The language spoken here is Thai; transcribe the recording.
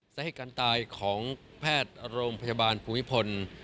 สาเหตุการณ์ตายของแพทย์โรงพยาบาลภูมิพล